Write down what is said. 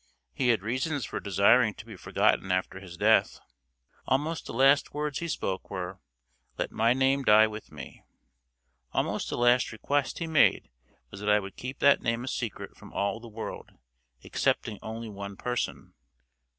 He had reasons for desiring to be forgotten after his death. Almost the last words he spoke were, 'Let my name die with me.' Almost the last request he made was that I would keep that name a secret from all the world excepting only one person."